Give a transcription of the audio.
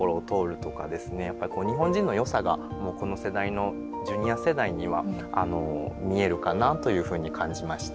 やっぱりこう日本人のよさがもうこの世代のジュニア世代には見えるかなというふうに感じました。